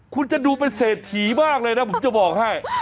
คุณจะดูเป็นเศรษฐีมากเลยนะผมจะบอกให้